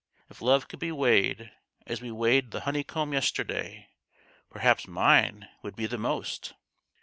If love could be weighed, as we weighed the honeycomb yester day, perhaps mine would be the most